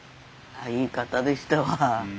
いい方でしたわ。